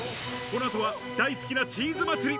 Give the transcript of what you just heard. この後は大好きなチーズ祭り。